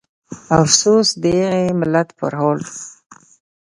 افسوس د هغه ملت پرحال